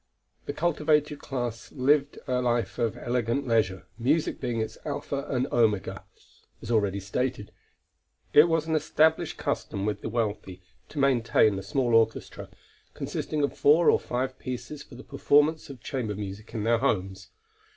The cultivated class lived a life of elegant leisure, music being its alpha and omega. As already stated, it was an established custom with the wealthy to maintain a small orchestra, consisting of four or five pieces for the performance of chamber music in their homes.